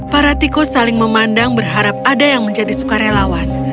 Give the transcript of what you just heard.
para tikus saling memandang berharap ada yang menjadi sukarelawan